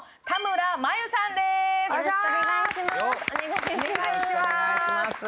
お願いします。